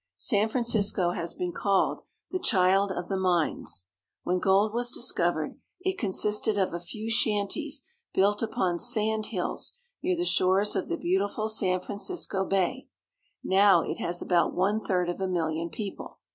San Francisco has been called the '' Child of the San Francisco. Mines." When gold was discovered, it consisted of a few shanties built upon sand hills near the shores of the beau tiful San Francisco Bay. Now it has about one third of a million people.